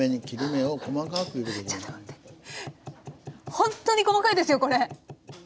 ほんっとに細かいですよこれ。